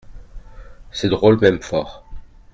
Ces drôles m'aiment fort.